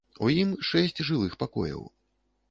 У ім шэсць жылых пакояў.